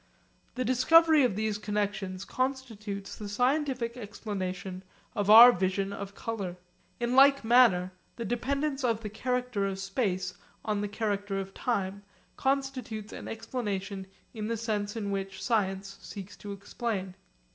The discovery of these connexions constitutes the scientific explanation of our vision of colour. In like manner the dependence of the character of space on the character of time constitutes an explanation in the sense in which science seeks to explain.